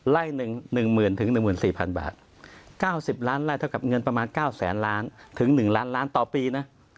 ไล่หนึ่งหมื่นถึง๑๔๐๐บาท๙๐ล้านไล่เพราะเงินประมาณ๙๐๐๐๐๐ล้านถึง๑ล้านล้านต่อปีนั้ะ